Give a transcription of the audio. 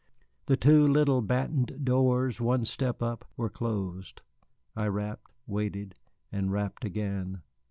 The two little battened doors, one step up, were closed. I rapped, waited, and rapped again.